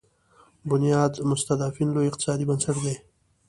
بنیاد مستضعفین لوی اقتصادي بنسټ دی.